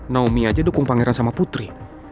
naomi aja dukung pangeran sama putri